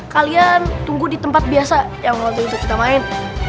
kalian tunggu di tempat biasa yang waktu itu kita main